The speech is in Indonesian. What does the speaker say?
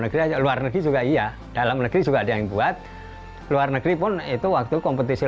negeri luar negeri juga iya dalam negeri juga ada yang buat luar negeri pun itu waktu kompetisi